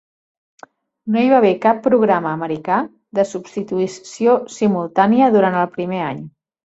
No hi va haver cap programa americà de substitució simultània durant el primer any.